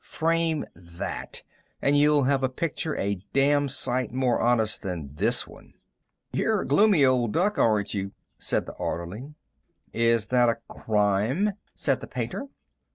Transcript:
"Frame that, and you'll have a picture a damn sight more honest than this one." "You're a gloomy old duck, aren't you?" said the orderly. "Is that a crime?" said the painter.